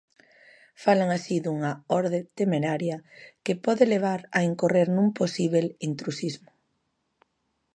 Falan así dunha "orde temeraria" que pode levar a "incorrer nun posíbel intrusismo".